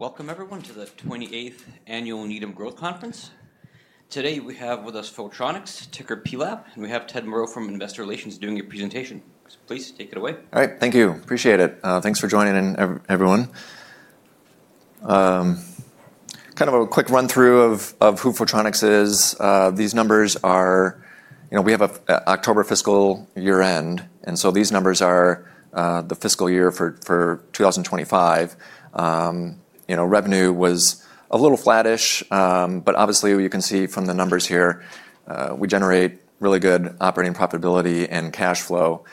Welcome, everyone, to the 28th Annual Needham Growth Conference. Today we have with us Photronics, ticker PLAB, and we have Ted Moreau from Investor Relations doing a presentation. Please take it away. All right, thank you. Appreciate it. Thanks for joining, everyone. Kind of a quick run-through of who Photronics is. These numbers are, we have an October fiscal year-end, and so these numbers are the fiscal year for 2025. Revenue was a little flattish, but obviously, you can see from the numbers here we generate really good operating profitability and cash flow.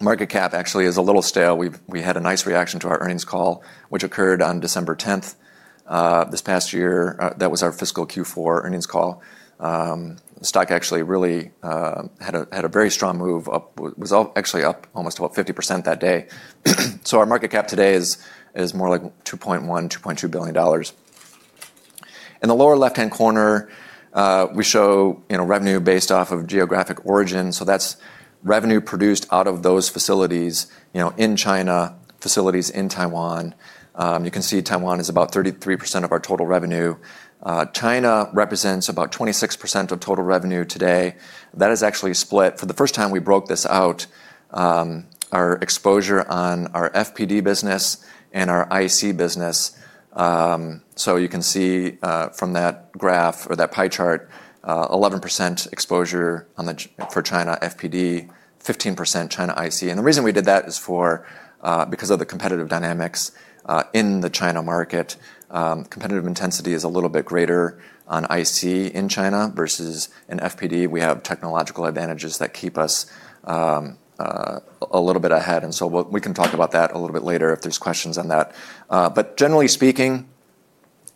Market cap actually is a little stale. We had a nice reaction to our earnings call, which occurred on December 10th this past year. That was our fiscal Q4 earnings call. The stock actually really had a very strong move, was actually up almost about 50% that day. So our market cap today is more like $2.1 billion-$2.2 billion. In the lower left-hand corner, we show revenue based off of geographic origin. So that's revenue produced out of those facilities in China, facilities in Taiwan. You can see Taiwan is about 33% of our total revenue. China represents about 26% of total revenue today. That is actually split. For the first time we broke this out, our exposure on our FPD business and our IC business. So you can see from that graph or that pie chart, 11% exposure for China FPD, 15% China IC. And the reason we did that is because of the competitive dynamics in the China market. Competitive intensity is a little bit greater on IC in China versus in FPD. We have technological advantages that keep us a little bit ahead. And so we can talk about that a little bit later if there's questions on that. But generally speaking,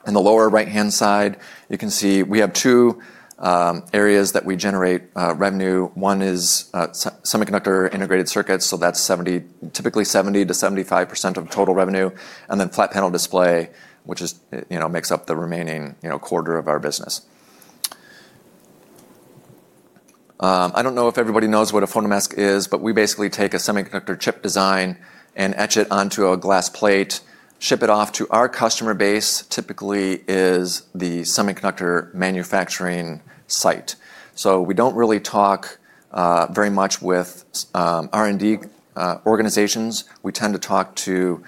in the lower right-hand side, you can see we have two areas that we generate revenue. One is semiconductor integrated circuits, so that's typically 70%-75% of total revenue, and then flat panel display, which makes up the remaining quarter of our business. I don't know if everybody knows what a photomask is, but we basically take a semiconductor chip design and etch it onto a glass plate, ship it off to our customer base, typically is the semiconductor manufacturing site. So we don't really talk very much with R&D organizations. We tend to talk to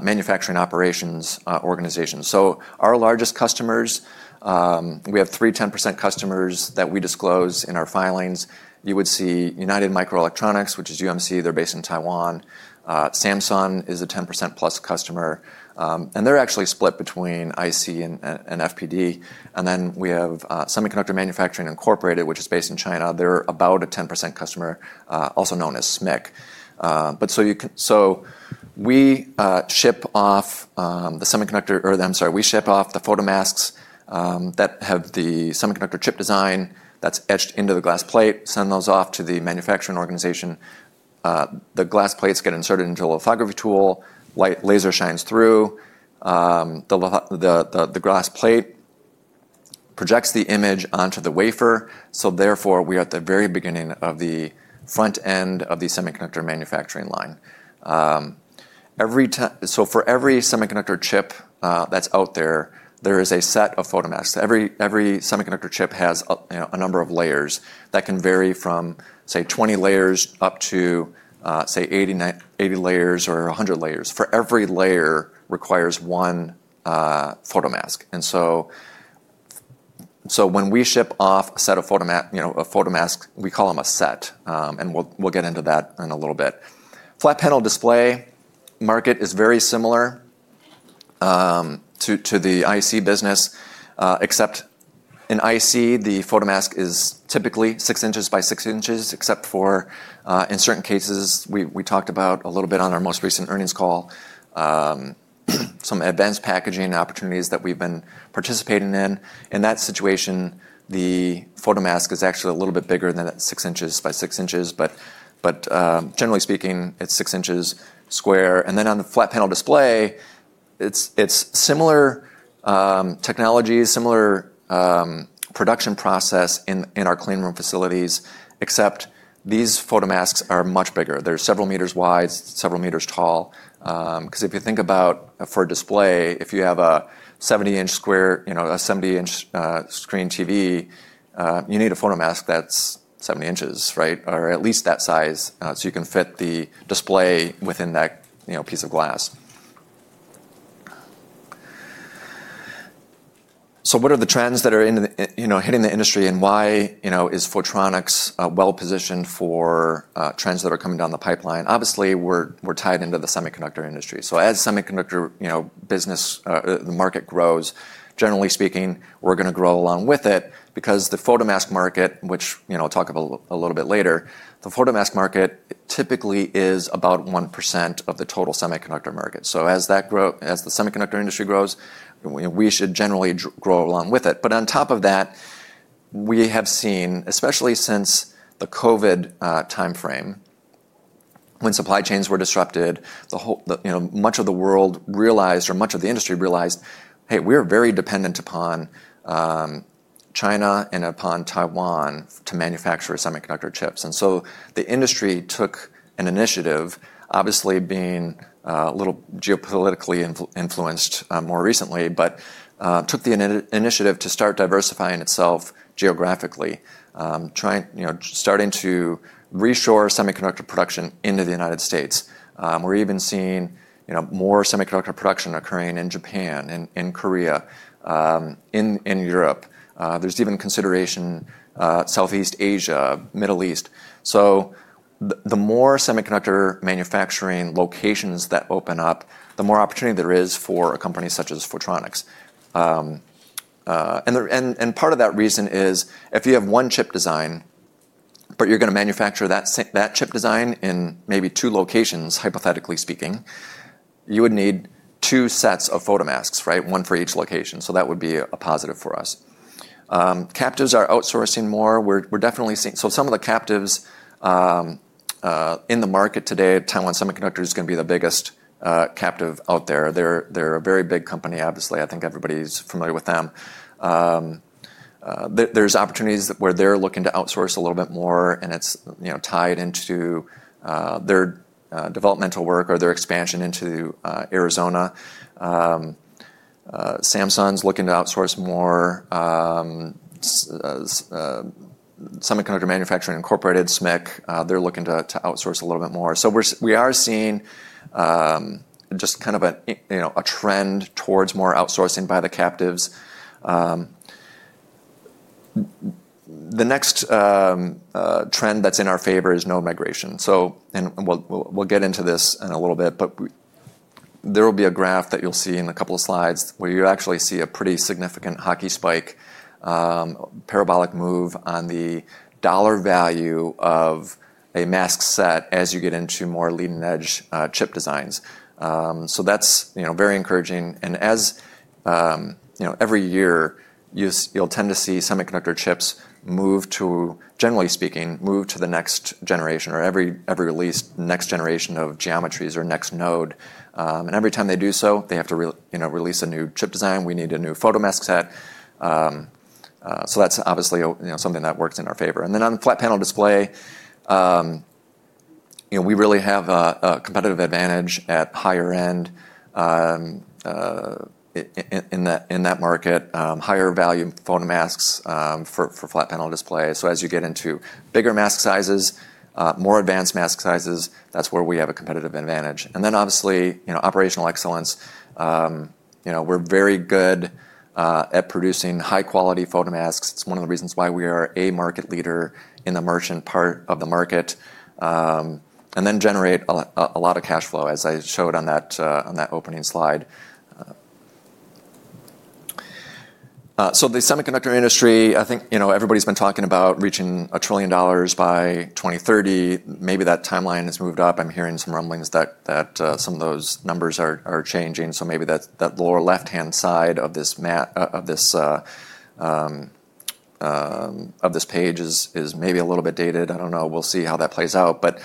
manufacturing operations organizations. So our largest customers, we have three 10% customers that we disclose in our filings. You would see United Microelectronics, which is UMC. They're based in Taiwan. Samsung is a 10%+ customer. And they're actually split between IC and FPD. And then we have Semiconductor Manufacturing Incorporated, which is based in China. They're about a 10% customer, also known as SMIC. We ship off the semiconductor, or I'm sorry, we ship off the photomasks that have the semiconductor chip design that's etched into the glass plate, send those off to the manufacturing organization. The glass plates get inserted into a lithography tool. Light laser shines through. The glass plate projects the image onto the wafer. Therefore, we are at the very beginning of the front end of the semiconductor manufacturing line. For every semiconductor chip that's out there, there is a set of photomasks. Every semiconductor chip has a number of layers that can vary from, say, 20 layers up to, say, 80 layers or 100 layers. For every layer requires one photomask. So when we ship off a set of photomasks, we call them a set, and we'll get into that in a little bit. Flat panel display market is very similar to the IC business, except in IC, the photomask is typically six inches by six inches, except for in certain cases, we talked about a little bit on our most recent earnings call, some advanced packaging opportunities that we've been participating in. In that situation, the photomask is actually a little bit bigger than that six inches by six inches. But generally speaking, it's six inches square. And then on the flat panel display, it's similar technology, similar production process in our cleanroom facilities, except these photomasks are much bigger. They're several meters wide, several meters tall. Because if you think about for a display, if you have a 70-inch square, a 70-inch screen TV, you need a photomask that's 70 inches, right? Or at least that size so you can fit the display within that piece of glass. So what are the trends that are hitting the industry and why is Photronics well positioned for trends that are coming down the pipeline? Obviously, we're tied into the semiconductor industry. So as semiconductor business, the market grows, generally speaking, we're going to grow along with it because the photomask market, which I'll talk about a little bit later, the photomask market typically is about 1% of the total semiconductor market. So as the semiconductor industry grows, we should generally grow along with it. But on top of that, we have seen, especially since the COVID timeframe, when supply chains were disrupted, much of the world realized, or much of the industry realized, hey, we're very dependent upon China and upon Taiwan to manufacture semiconductor chips. And so the industry took an initiative, obviously being a little geopolitically influenced more recently, but took the initiative to start diversifying itself geographically, starting to reshore semiconductor production into the United States. We're even seeing more semiconductor production occurring in Japan, in Korea, in Europe. There's even consideration in Southeast Asia, Middle East. So the more semiconductor manufacturing locations that open up, the more opportunity there is for a company such as Photronics. And part of that reason is if you have one chip design, but you're going to manufacture that chip design in maybe two locations, hypothetically speaking, you would need two sets of photomasks, right? One for each location. So that would be a positive for us. Captives are outsourcing more. So some of the captives in the market today, Taiwan Semiconductor is going to be the biggest captive out there. They're a very big company, obviously. I think everybody's familiar with them. There's opportunities where they're looking to outsource a little bit more, and it's tied into their developmental work or their expansion into Arizona. Samsung's looking to outsource more. Semiconductor Manufacturing International Corporation, SMIC, they're looking to outsource a little bit more. So we are seeing just kind of a trend towards more outsourcing by the captives. The next trend that's in our favor is node migration, and we'll get into this in a little bit, but there will be a graph that you'll see in a couple of slides where you actually see a pretty significant hockey stick, parabolic move on the dollar value of a mask set as you get into more leading-edge chip designs. So that's very encouraging. And as every year, you'll tend to see semiconductor chips move to, generally speaking, move to the next generation or every release, next generation of geometries or next node. And every time they do so, they have to release a new chip design. We need a new photomask set. So that's obviously something that works in our favor. And then on flat panel display, we really have a competitive advantage at higher end in that market, higher value photomasks for flat panel display. So as you get into bigger mask sizes, more advanced mask sizes, that's where we have a competitive advantage. And then obviously, operational excellence. We're very good at producing high-quality photomasks. It's one of the reasons why we are a market leader in the merchant part of the market and then generate a lot of cash flow, as I showed on that opening slide. So the semiconductor industry, I think everybody's been talking about reaching $1 trillion by 2030. Maybe that timeline has moved up. I'm hearing some rumblings that some of those numbers are changing. So maybe that lower left-hand side of this page is maybe a little bit dated. I don't know. We'll see how that plays out. But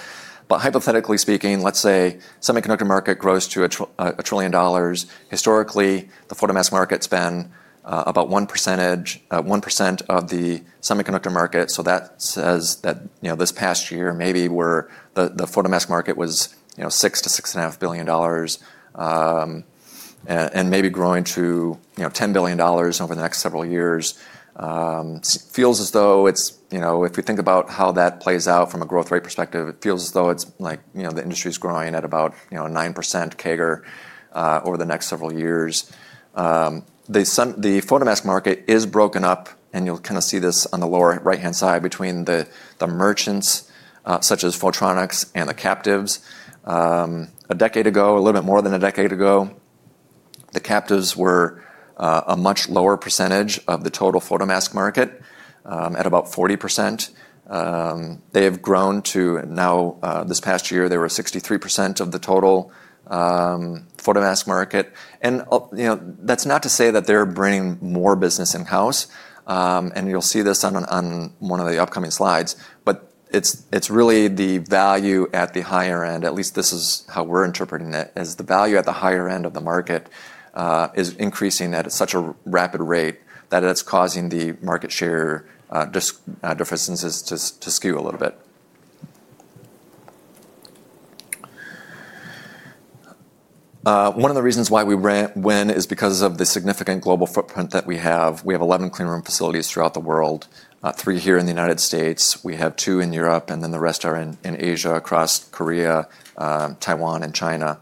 hypothetically speaking, let's say semiconductor market grows to $1 trillion. Historically, the photomask market's been about 1% of the semiconductor market. So that says that this past year, maybe the photomask market was $6-$6.5 billion and maybe growing to $10 billion over the next several years. It feels as though it's, if we think about how that plays out from a growth rate perspective, it feels as though the industry's growing at about 9% CAGR over the next several years. The photomask market is broken up, and you'll kind of see this on the lower right-hand side between the merchants such as Photronics and the captives. A decade ago, a little bit more than a decade ago, the captives were a much lower percentage of the total photomask market at about 40%. They have grown to now, this past year, they were 63% of the total photomask market. And that's not to say that they're bringing more business in-house. And you'll see this on one of the upcoming slides. But it's really the value at the higher end, at least this is how we're interpreting it, is the value at the higher end of the market is increasing at such a rapid rate that it's causing the market share differences to skew a little bit. One of the reasons why we win is because of the significant global footprint that we have. We have 11 cleanroom facilities throughout the world, three here in the United States. We have two in Europe, and then the rest are in Asia across Korea, Taiwan, and China.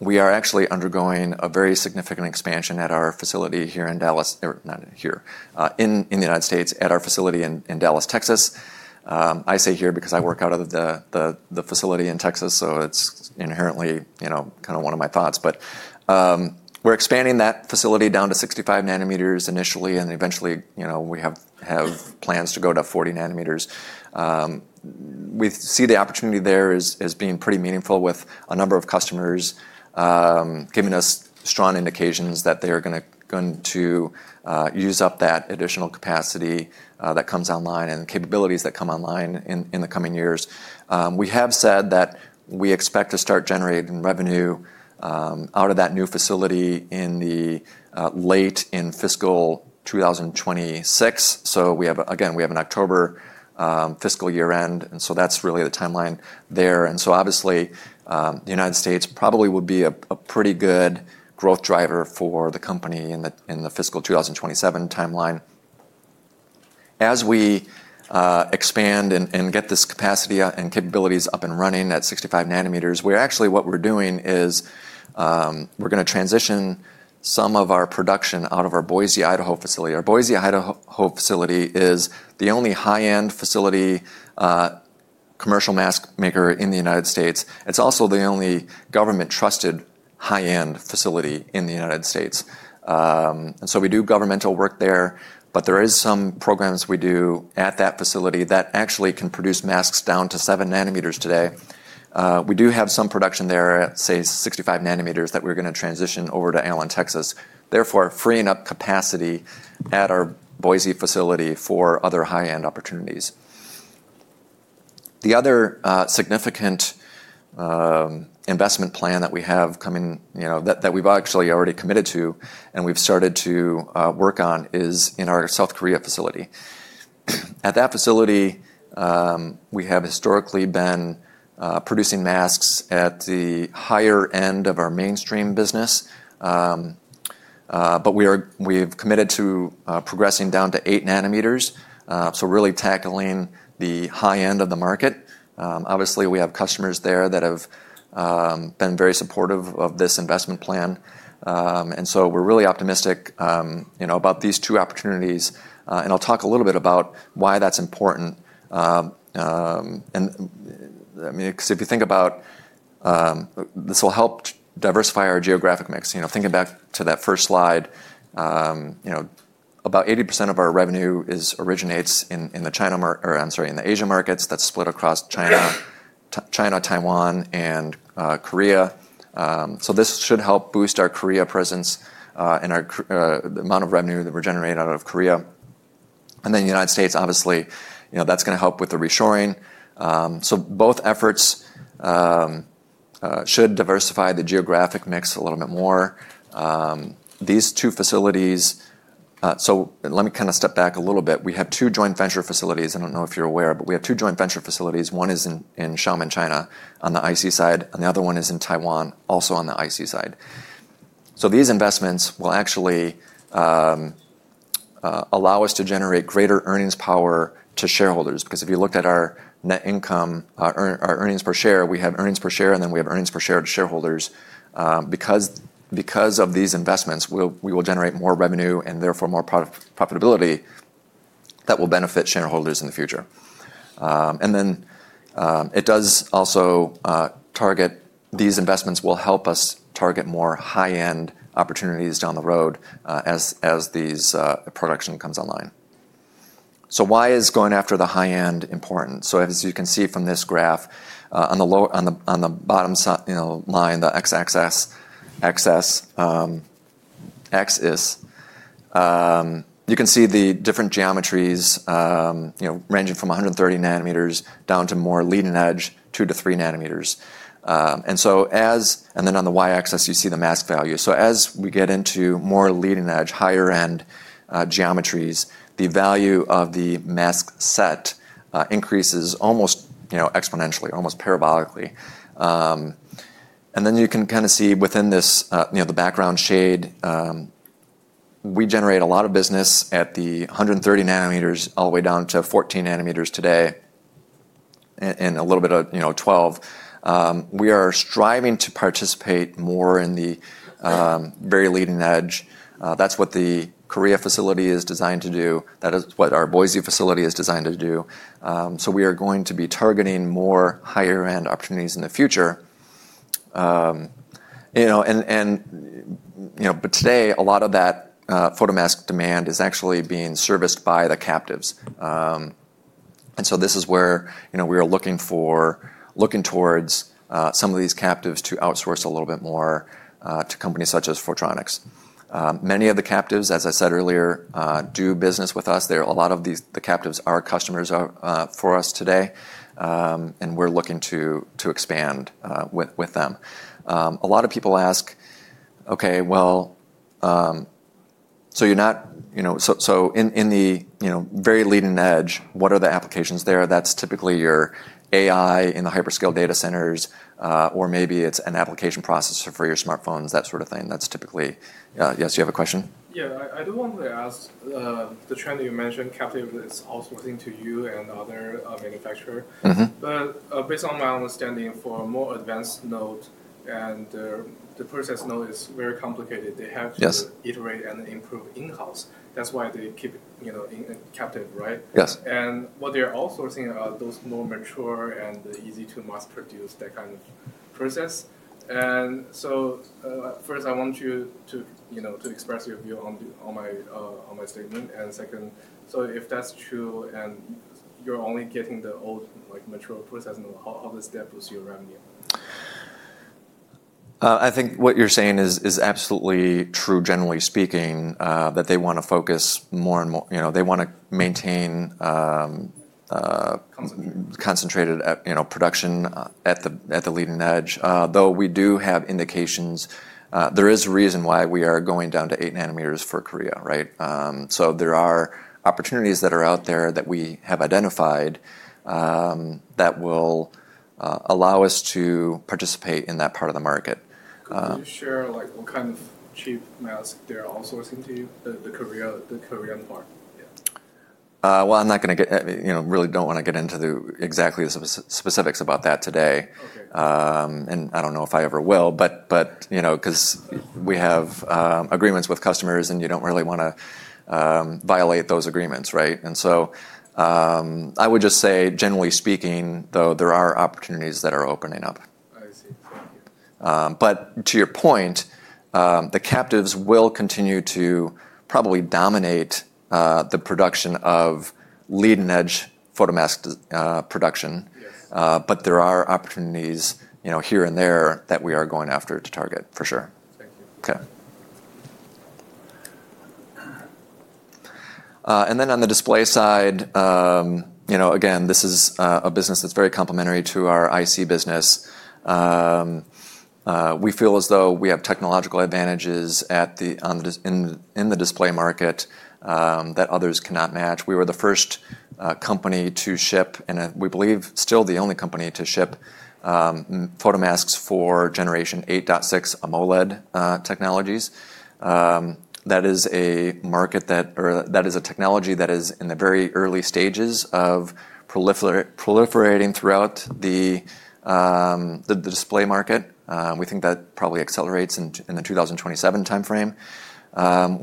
We are actually undergoing a very significant expansion at our facility here in Dallas, or not here, in the United States, at our facility in Dallas, Texas. I say here because I work out of the facility in Texas, so it's inherently kind of one of my thoughts. But we're expanding that facility down to 65 nanometers initially, and eventually we have plans to go to 40 nanometers. We see the opportunity there as being pretty meaningful with a number of customers giving us strong indications that they are going to use up that additional capacity that comes online and capabilities that come online in the coming years. We have said that we expect to start generating revenue out of that new facility in late fiscal 2026. So again, we have an October fiscal year end. And so that's really the timeline there. And so obviously, the United States probably would be a pretty good growth driver for the company in the fiscal 2027 timeline. As we expand and get this capacity and capabilities up and running at 65 nanometers, we're actually what we're doing is we're going to transition some of our production out of our Boise, Idaho facility. Our Boise, Idaho facility is the only high-end facility commercial mask maker in the United States. It's also the only government-trusted high-end facility in the United States, and so we do governmental work there, but there are some programs we do at that facility that actually can produce masks down to seven nanometers today. We do have some production there at, say, 65 nanometers that we're going to transition over to Allen, Texas, therefore freeing up capacity at our Boise facility for other high-end opportunities. The other significant investment plan that we have coming that we've actually already committed to and we've started to work on is in our South Korea facility. At that facility, we have historically been producing masks at the higher end of our mainstream business, but we've committed to progressing down to eight nanometers, so really tackling the high end of the market. Obviously, we have customers there that have been very supportive of this investment plan. And so we're really optimistic about these two opportunities. And I'll talk a little bit about why that's important. And because if you think about this will help diversify our geographic mix. Thinking back to that first slide, about 80% of our revenue originates in the China market, or I'm sorry, in the Asia markets. That's split across China, Taiwan, and Korea. So this should help boost our Korea presence and the amount of revenue that we're generating out of Korea. And then the United States, obviously, that's going to help with the reshoring. So both efforts should diversify the geographic mix a little bit more. These two facilities, so let me kind of step back a little bit. We have two joint venture facilities. I don't know if you're aware, but we have two joint venture facilities. One is in Xiamen, China, on the IC side, and the other one is in Taiwan, also on the IC side. So these investments will actually allow us to generate greater earnings power to shareholders. Because if you look at our net income, our earnings per share, we have earnings per share, and then we have earnings per share to shareholders. Because of these investments, we will generate more revenue and therefore more profitability that will benefit shareholders in the future. And then it does also target these investments will help us target more high-end opportunities down the road as this production comes online. So why is going after the high-end important? So as you can see from this graph, on the bottom line, the X axis, you can see the different geometries ranging from 130 nanometers down to more leading-edge, 2 to 3 nanometers. And so as. And then on the Y axis, you see the mask value. So as we get into more leading-edge, higher-end geometries, the value of the mask set increases almost exponentially, almost parabolically. And then you can kind of see within this, the background shade, we generate a lot of business at the 130 nanometers all the way down to 14 nanometers today and a little bit of 12. We are striving to participate more in the very leading edge. That's what the Korea facility is designed to do. That is what our Boise facility is designed to do. So we are going to be targeting more higher-end opportunities in the future. But today, a lot of that photomask demand is actually being serviced by the captives. And so this is where we are looking towards some of these captives to outsource a little bit more to companies such as Photronics. Many of the captives, as I said earlier, do business with us. A lot of the captives are customers for us today, and we're looking to expand with them. A lot of people ask, "Okay, well, so you're not so in the very leading edge, what are the applications there?" That's typically your AI in the hyperscale data centers, or maybe it's an application processor for your smartphones, that sort of thing. That's typically, yes, you have a question? Yeah. I do want to ask the trend that you mentioned, captive is outsourcing to you and other manufacturers. But based on my understanding, for more advanced nodes and the process node is very complicated. They have to iterate and improve in-house. That's why they keep captive, right? And what they're outsourcing are those more mature and easy to mass produce, that kind of process. And so first, I want you to express your view on my statement. And second, so if that's true and you're only getting the old mature process node, how does that boost your revenue? I think what you're saying is absolutely true, generally speaking, that they want to focus more and more. They want to maintain concentrated production at the leading edge. Though we do have indications, there is a reason why we are going down to 8 nanometers for Korea, right? So there are opportunities that are out there that we have identified that will allow us to participate in that part of the market. Can you share what kind of cheap mask they're outsourcing to you, the Korea part? Well, I'm not going to really don't want to get into exactly the specifics about that today, and I don't know if I ever will, but because we have agreements with customers and you don't really want to violate those agreements, right, and so I would just say, generally speaking, though, there are opportunities that are opening up. I see. Thank you. But to your point, the captives will continue to probably dominate the production of leading-edge photomask production. But there are opportunities here and there that we are going after to target, for sure. Thank you. Okay. And then on the display side, again, this is a business that's very complementary to our IC business. We feel as though we have technological advantages in the display market that others cannot match. We were the first company to ship, and we believe still the only company to ship photomasks for Generation 8.6 AMOLED technologies. That is a technology that is in the very early stages of proliferating throughout the display market. We think that probably accelerates in the 2027 timeframe.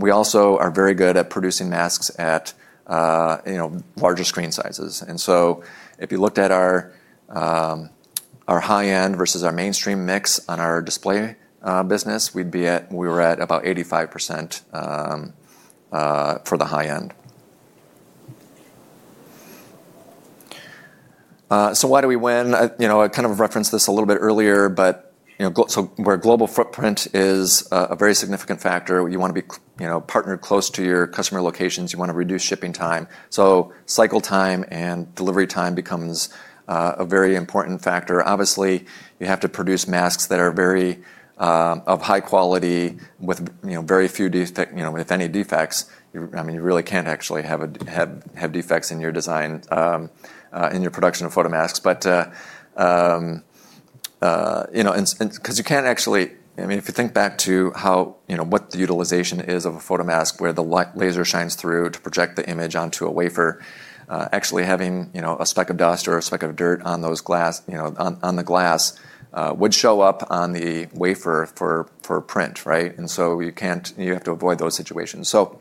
We also are very good at producing masks at larger screen sizes. And so if you looked at our high-end versus our mainstream mix on our display business, we'd be at about 85% for the high-end. So why do we win? I kind of referenced this a little bit earlier, but so where global footprint is a very significant factor. You want to be partnered close to your customer locations. You want to reduce shipping time. So cycle time and delivery time becomes a very important factor. Obviously, you have to produce masks that are very high quality with very few, if any, defects. I mean, you really can't actually have defects in your design, in your production of photomasks. But because you can't actually, I mean, if you think back to what the utilization is of a photomask where the laser shines through to project the image onto a wafer, actually having a speck of dust or a speck of dirt on the glass would show up on the wafer for print, right? And so you have to avoid those situations. So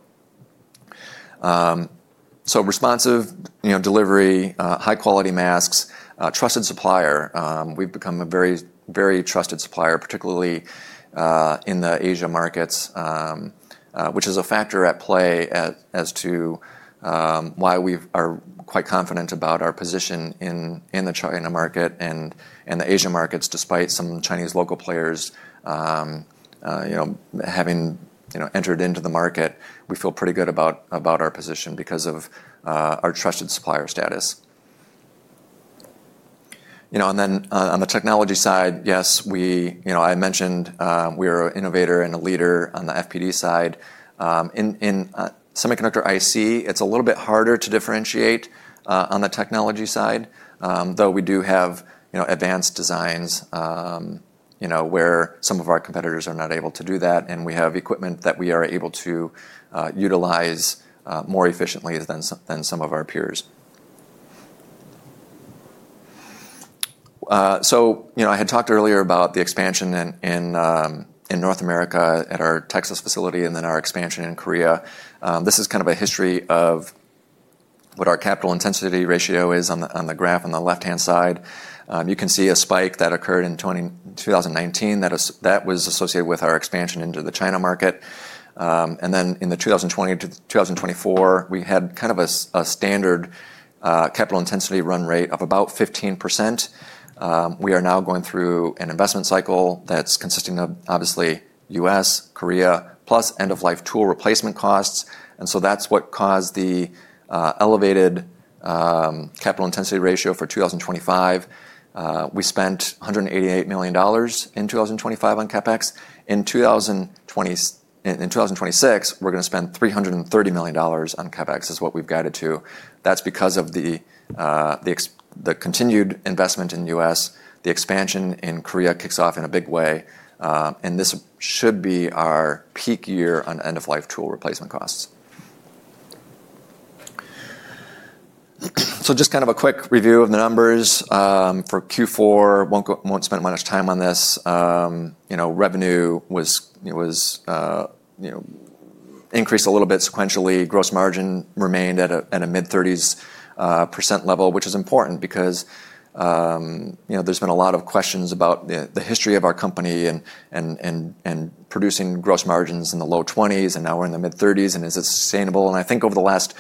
responsive delivery, high-quality masks, trusted supplier. We've become a very, very trusted supplier, particularly in the Asia markets, which is a factor at play as to why we are quite confident about our position in the China market and the Asia markets, despite some Chinese local players having entered into the market. We feel pretty good about our position because of our trusted supplier status, and then on the technology side, yes, I mentioned we are an innovator and a leader on the FPD side. In semiconductor IC, it's a little bit harder to differentiate on the technology side, though we do have advanced designs where some of our competitors are not able to do that, and we have equipment that we are able to utilize more efficiently than some of our peers, so I had talked earlier about the expansion in North America at our Texas facility and then our expansion in Korea. This is kind of a history of what our capital intensity ratio is on the graph on the left-hand side. You can see a spike that occurred in 2019 that was associated with our expansion into the China market, and then in the 2020 to 2024, we had kind of a standard capital intensity run rate of about 15%. We are now going through an investment cycle that's consisting of, obviously, U.S., Korea, plus end-of-life tool replacement costs, and so that's what caused the elevated capital intensity ratio for 2025. We spent $188 million in 2025 on CapEx. In 2026, we're going to spend $330 million on CapEx, is what we've guided to. That's because of the continued investment in the U.S. The expansion in Korea kicks off in a big way, and this should be our peak year on end-of-life tool replacement costs. Just kind of a quick review of the numbers for Q4. Won't spend much time on this. Revenue was increased a little bit sequentially. Gross margin remained at a mid-30s% level, which is important because there's been a lot of questions about the history of our company and producing gross margins in the low 20s%. And now we're in the mid-30s%. And is it sustainable? And I think over the last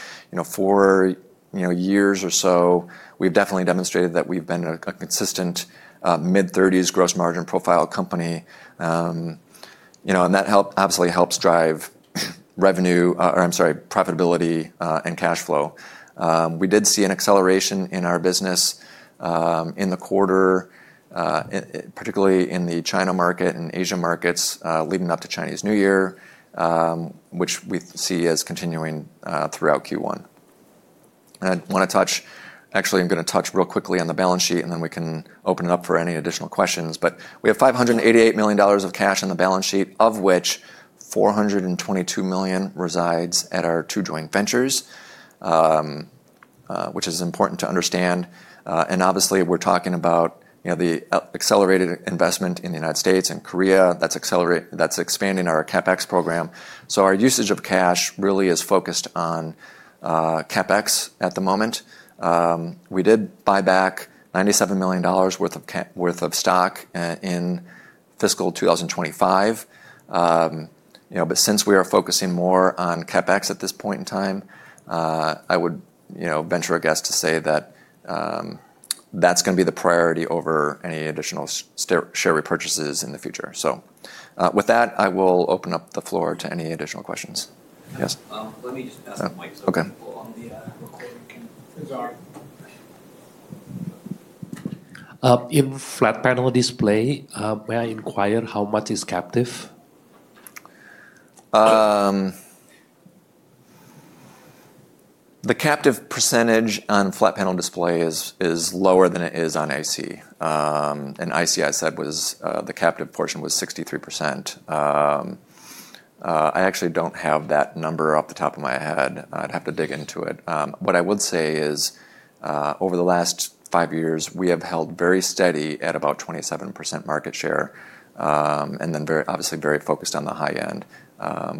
four years or so, we've definitely demonstrated that we've been a consistent mid-30s% gross margin profile company. And that obviously helps drive revenue, or I'm sorry, profitability and cash flow. We did see an acceleration in our business in the quarter, particularly in the China market and Asia markets, leading up to Chinese New Year, which we see as continuing throughout Q1. I want to touch, actually. I'm going to touch real quickly on the balance sheet, and then we can open it up for any additional questions, but we have $588 million of cash on the balance sheet, of which $422 million resides at our two joint ventures, which is important to understand, and obviously, we're talking about the accelerated investment in the United States and Korea. That's expanding our CapEx program, so our usage of cash really is focused on CapEx at the moment. We did buy back $97 million worth of stock in fiscal 2025, but since we are focusing more on CapEx at this point in time, I would venture a guess to say that that's going to be the priority over any additional share repurchases in the future, so with that, I will open up the floor to any additional questions. Yes? Let me just ask Mike's question on the recording. In flat panel display, may I inquire how much is captive? The captive percentage on flat panel display is lower than it is on IC. And IC, I said, the captive portion was 63%. I actually don't have that number off the top of my head. I'd have to dig into it. What I would say is over the last five years, we have held very steady at about 27% market share and then obviously very focused on the high end.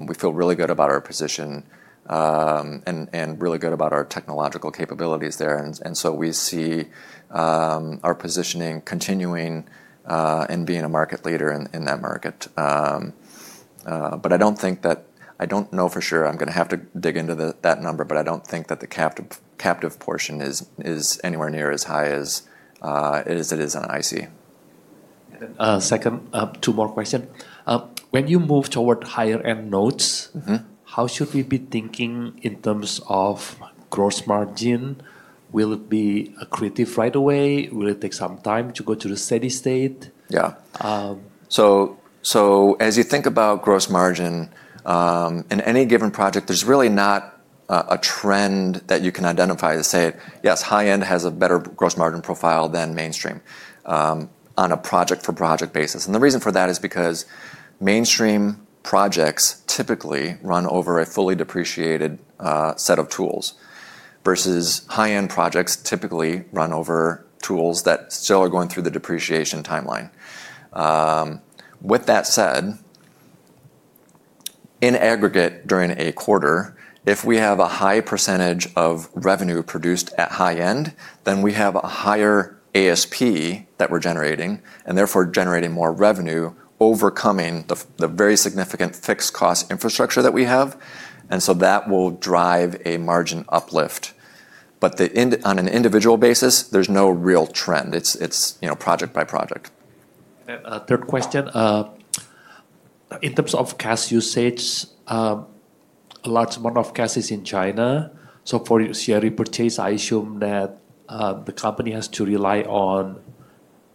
We feel really good about our position and really good about our technological capabilities there. And so we see our positioning continuing and being a market leader in that market. But I don't think that. I don't know for sure. I'm going to have to dig into that number, but I don't think that the captive portion is anywhere near as high as it is on IC. Second, two more questions. When you move toward higher-end nodes, how should we be thinking in terms of gross margin? Will it be accretive right away? Will it take some time to go to the steady state? Yeah. So as you think about gross margin in any given project, there's really not a trend that you can identify to say, yes, high-end has a better gross margin profile than mainstream on a project-for-project basis. And the reason for that is because mainstream projects typically run over a fully depreciated set of tools versus high-end projects typically run over tools that still are going through the depreciation timeline. With that said, in aggregate during a quarter, if we have a high percentage of revenue produced at high end, then we have a higher ASP that we're generating and therefore generating more revenue overcoming the very significant fixed cost infrastructure that we have. And so that will drive a margin uplift. But on an individual basis, there's no real trend. It's project by project. Third question. In terms of cash usage, a large amount of cash is in China. So for share repurchase, I assume that the company has to rely on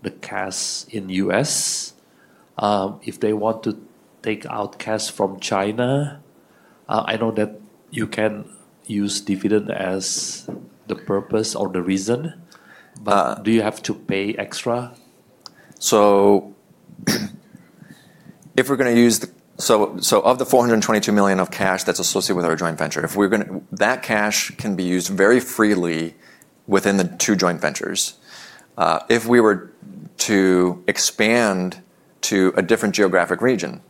the cash in the U.S. If they want to take out cash from China, I know that you can use dividend as the purpose or the reason. But do you have to pay extra? So if we're going to use the $422 million of cash that's associated with our joint venture, if we're going to use that cash, it can be used very freely within the two joint ventures. If we were to expand to a different geographic region,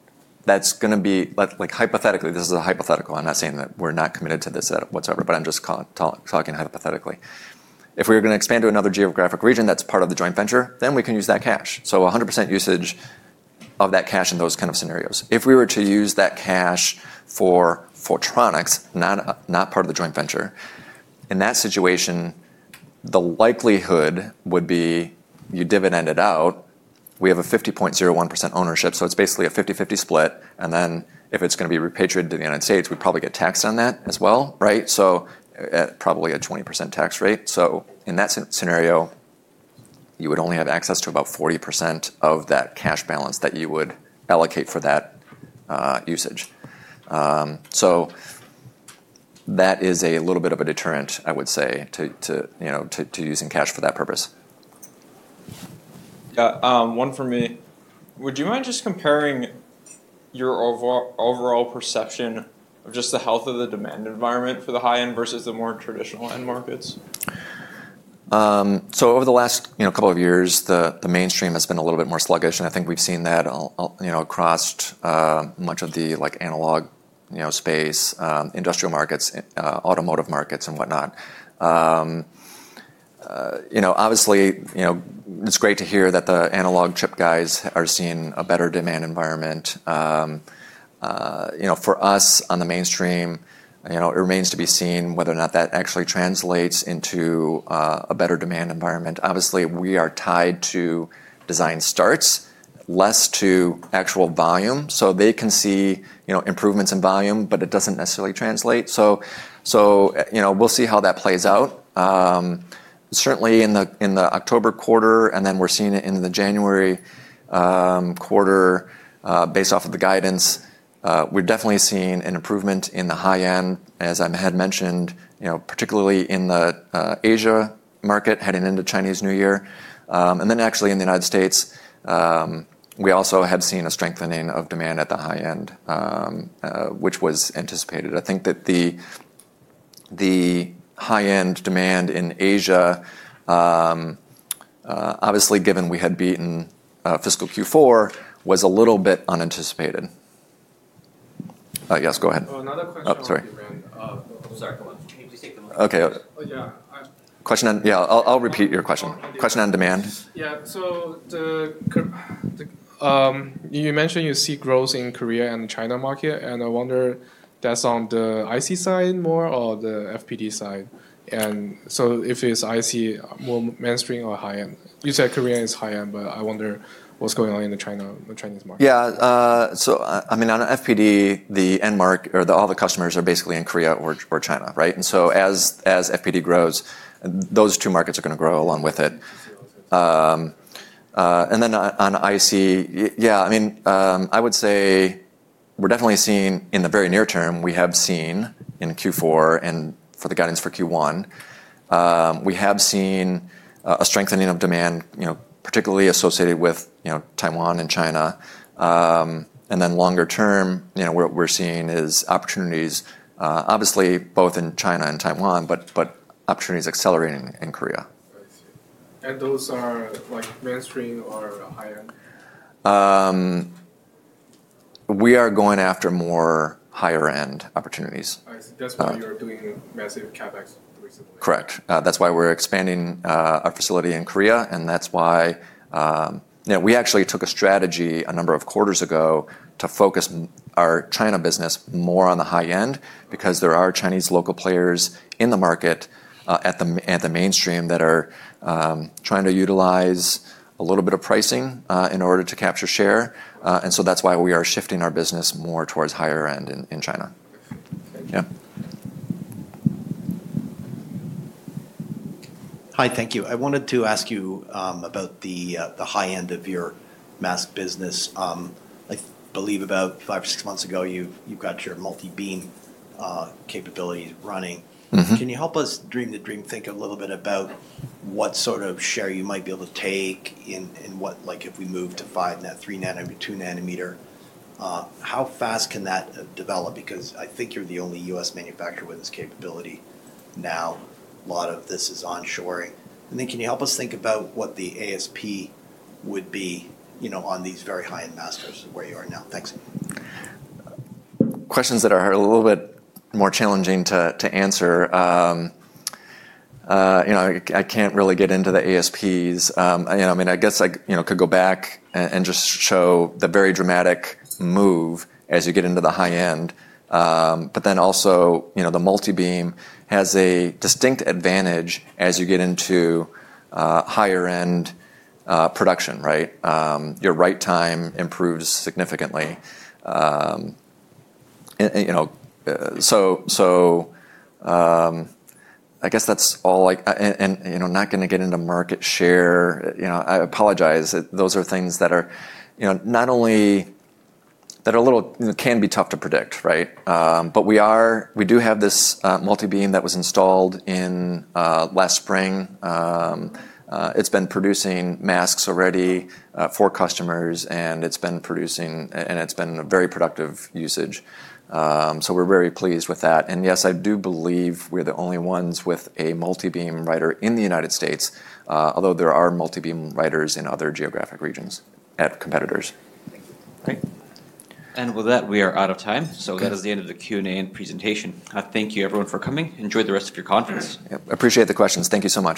that's going to be hypothetically. This is a hypothetical. I'm not saying that we're not committed to this at whatever, but I'm just talking hypothetically. If we were going to expand to another geographic region that's part of the joint venture, then we can use that cash. So 100% usage of that cash in those kind of scenarios. If we were to use that cash for Photronics, not part of the joint venture, in that situation, the likelihood would be you dividend it out. We have a 50.01% ownership. So it's basically a 50/50 split. If it's going to be repatriated to the United States, we probably get taxed on that as well, right? So at probably a 20% tax rate. So in that scenario, you would only have access to about 40% of that cash balance that you would allocate for that usage. So that is a little bit of a deterrent, I would say, to using cash for that purpose. Yeah. One for me. Would you mind just comparing your overall perception of just the health of the demand environment for the high-end versus the more traditional end markets? So over the last couple of years, the mainstream has been a little bit more sluggish. And I think we've seen that across much of the analog space, industrial markets, automotive markets, and whatnot. Obviously, it's great to hear that the analog chip guys are seeing a better demand environment. For us on the mainstream, it remains to be seen whether or not that actually translates into a better demand environment. Obviously, we are tied to design starts, less to actual volume. So they can see improvements in volume, but it doesn't necessarily translate. So we'll see how that plays out. Certainly in the October quarter, and then we're seeing it in the January quarter based off of the guidance, we're definitely seeing an improvement in the high end, as I had mentioned, particularly in the Asia market heading into Chinese New Year. And then actually in the United States, we also have seen a strengthening of demand at the high end, which was anticipated. I think that the high-end demand in Asia, obviously given we had beaten fiscal Q4, was a little bit unanticipated. Yes, go ahead. Question on, yeah, I'll repeat your question. Question on demand. Yeah. So you mentioned you see growth in Korea and China market. And I wonder that's on the IC side more or the FPD side? And so if it's IC, more mainstream or high end? You said Korea is high end, but I wonder what's going on in the Chinese market? Yeah, so I mean, on FPD, the end market or all the customers are basically in Korea or China, right? And so as FPD grows, those two markets are going to grow along with it, and then on IC, yeah, I mean, I would say we're definitely seeing in the very near term, we have seen in Q4 and for the guidance for Q1, we have seen a strengthening of demand, particularly associated with Taiwan and China, and then longer term, what we're seeing is opportunities, obviously both in China and Taiwan, but opportunities accelerating in Korea. Those are mainstream or high end? We are going after more higher end opportunities. I see. That's why you're doing massive CapEx recently. Correct. That's why we're expanding our facility in Korea. That's why we actually took a strategy a number of quarters ago to focus our China business more on the high end because there are Chinese local players in the market at the mainstream that are trying to utilize a little bit of pricing in order to capture share. That's why we are shifting our business more towards higher end in China. Yeah. Hi, thank you. I wanted to ask you about the high end of your mask business. I believe about five or six months ago, you've got your multi-beam capabilities running. Can you help us dream the dream, think a little bit about what sort of share you might be able to take and what if we move to 3-nanometer, 2-nanometer? How fast can that develop? Because I think you're the only U.S. manufacturer with this capability now. A lot of this is onshoring. And then can you help us think about what the ASP would be on these very high-end mask stores where you are now? Thanks. Questions that are a little bit more challenging to answer. I can't really get into the ASPs. I mean, I guess I could go back and just show the very dramatic move as you get into the high end. But then also the multi-beam has a distinct advantage as you get into higher end production, right? Your write time improves significantly. So I guess that's all. And I'm not going to get into market share. I apologize. Those are things that are not only a little can be tough to predict, right? But we do have this multi-beam that was installed in last spring. It's been producing masks already for customers, and it's been a very productive usage. So we're very pleased with that. Yes, I do believe we're the only ones with a multi-beam writer in the United States, although there are multi-beam writers in other geographic regions at competitors. Great. With that, we are out of time. That is the end of the Q&A and presentation. Thank you, everyone, for coming. Enjoy the rest of your conference. Appreciate the questions. Thank you so much.